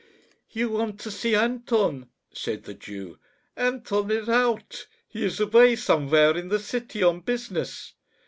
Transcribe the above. "You want to see Anton," said the Jew. "Anton is out. He is away somewhere in the city on business."